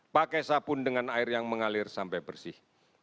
pakai sabun dengan air yang mengalir sampai bersih